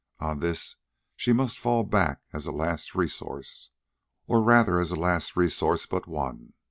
On this she must fall back as a last resource, or rather as a last resource but one.